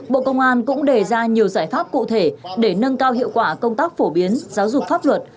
bộ công an cũng đề ra nhiều giải pháp cụ thể để nâng cao hiệu quả công tác phổ biến giáo dục pháp luật